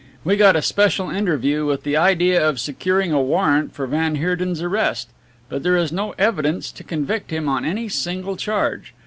We got a special interview with the idea of securing a warrant for van Heerden's arrest. But there is no evidence to convict him on any single charge.